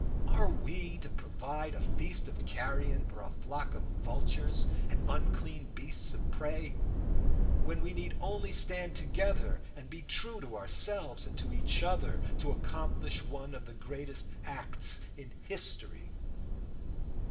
Are we to provide a feast of carrion for a flock of vultures and unclean beasts of prey, when we need only stand together, and be true to ourselves and to each other, to accomplish one of the greatest acts in history?